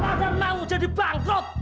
akan mau jadi bangkrut